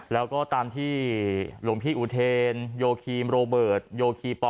แล้วก็ตามที่หลวงพี่อุเทนโยคีมโรเบิร์ตโยคีปอ